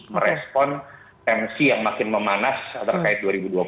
merespon tensi yang makin memanas terkait dua ribu dua puluh empat